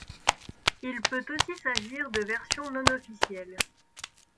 Il peut aussi s'agir de versions non officielles.